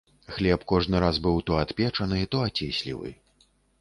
Хлеб кожны раз быў то адпечаны, то ацеслівы.